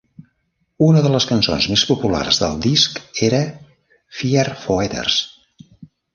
Una de les cançons més populars del disc era "Viervoeters".